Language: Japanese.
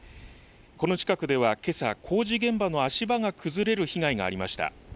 この近くではけさ工事現場の足場が崩れる被害がありました。